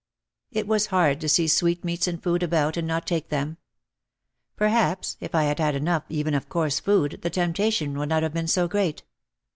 It was hard to see sweetmeats and food about and not take them. Perhaps if I had had enough even of coarse food the temptation would not have been so great.